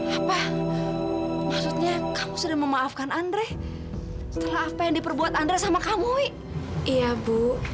apa maksudnya kamu sudah memaafkan andre telah pengen diperbuat andre sama kamu iya bu